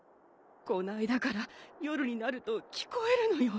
こないだから夜になると聞こえるのよ。